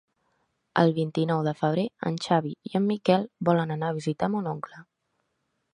El vint-i-nou de febrer en Xavi i en Miquel volen anar a visitar mon oncle.